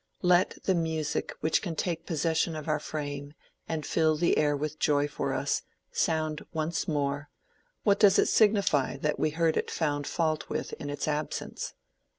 Let the music which can take possession of our frame and fill the air with joy for us, sound once more—what does it signify that we heard it found fault with in its absence?